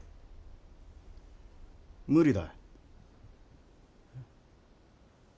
無理だ。